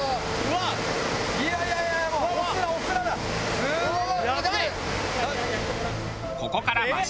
すごい！